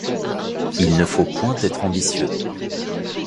Il ne faut point être ambitieux.